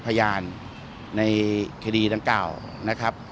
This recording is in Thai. พยานในคดีตั้งเก่า